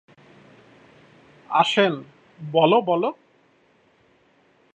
আসেন, বলো বলো?